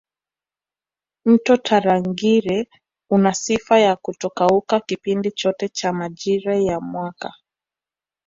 Mto Tarangire una sifa ya kutokauka kipindi chote cha majira ya mwaka